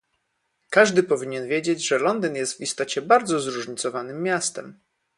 Każdy powinien wiedzieć, że Londyn jest w istocie bardzo zróżnicowanym miastem